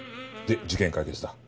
で事件解決だ。